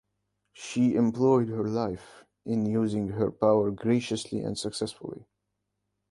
She employed her life in using her power graciously and successfully.